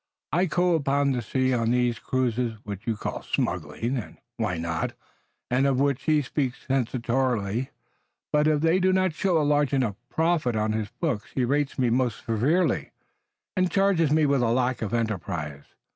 I go upon the sea on these cruises, which you call smuggling, and what not, and of which he speaks censoriously, but if they do not show a large enough profit on his books he rates me most severely, and charges me with a lack of enterprise.